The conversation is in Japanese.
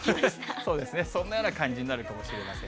そうですね、そんなような感じになるかもしれません。